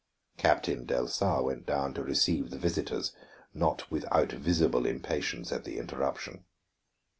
Captain Delsar went down to receive the visitors, not without visible impatience at the interruption.